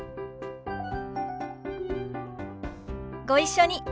ご一緒に。